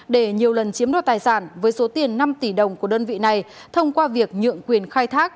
để nhiều lần chiếm đoạt tài sản với số tiền năm tỷ đồng của đơn vị này thông qua việc nhượng quyền khai thác